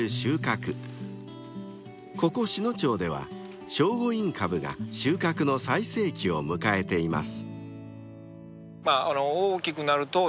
［ここ篠町では聖護院かぶが収穫の最盛期を迎えています］